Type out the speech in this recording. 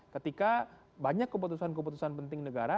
ketika banyak keputusan keputusan penting negara